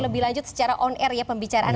lebih lanjut secara on air ya pembicaraan